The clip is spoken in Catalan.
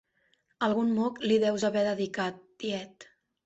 Algun moc li deus haver dedicat, tiet!